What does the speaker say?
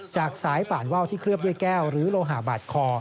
จากสายป่านว่าวที่เคลือบด้วยแก้วหรือโลหะบาดคอ